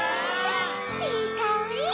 いいかおり！